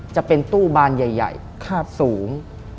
จะเป็นตู้บานใหญ่สูง